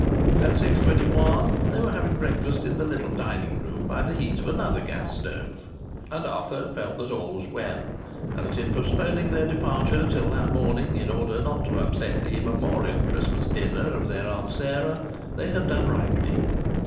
At six twenty one they were having breakfast in the little dining room, by the heat of another gas stove. And Arthur felt that all was well, and that in postponing their departure till that morning in order not to upset the immemorial Christmas dinner of their Aunt Sarah, they had done rightly.